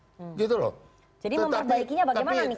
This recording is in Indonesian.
jadi memperbaikinya bagaimana nih